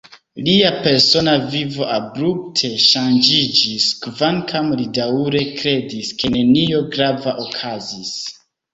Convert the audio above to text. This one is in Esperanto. Lia persona vivo abrupte ŝanĝiĝis, kvankam li daŭre kredis, ke nenio grava okazis.